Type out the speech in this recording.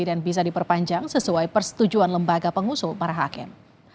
dan bisa diperpanjang sesuai persetujuan lembaga pengusul para hakim